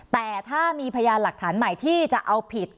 แต่ถ้ามีพยานหลักฐานใหม่ที่จะเอาผิด